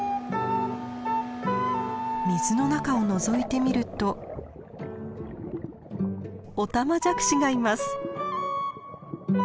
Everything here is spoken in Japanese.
水の中をのぞいてみるとオタマジャクシがいます。